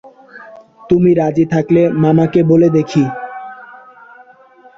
তুই রাজি থাকলে মামাকে বলে দেখি।